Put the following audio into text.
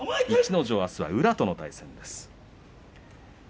逸ノ城はあすは宇良との対戦です。